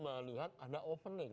melihat ada opening